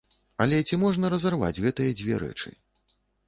Але ці можна разарваць гэтыя дзве рэчы?